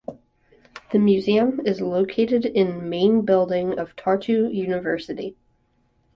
The museum is located in Main building of Tartu University.